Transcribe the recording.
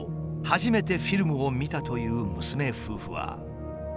初めてフィルムを見たという娘夫婦は。